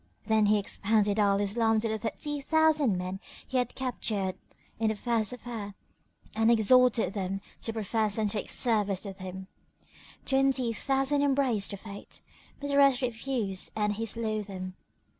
Then he expounded Al Islam to the thirty thousand men he had captured in the first affair and exhorted them to profess and take service with him. Twenty thousand embraced the Faith, but the rest refused and he slew them.